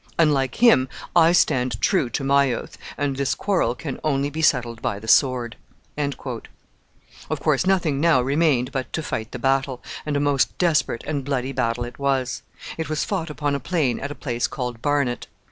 Unlike him, I stand true to my oath, and this quarrel can only be settled by the sword." Of course, nothing now remained but to fight the battle, and a most desperate and bloody battle it was. It was fought upon a plain at a place called Barnet.